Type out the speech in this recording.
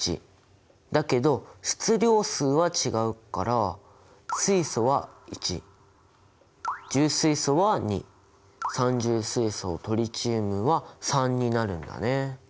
だけど質量数は違うから水素は１重水素は２三重水素トリチウムは３になるんだね。